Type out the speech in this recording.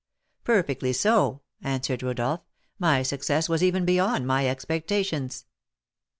"Perfectly so," answered Rodolph. "My success was even beyond my expectations."